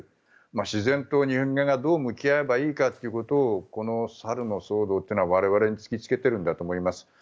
自然と人間がどう向き合っていけばいいかということをこの猿の騒動は我々に突きつけているんだと思います。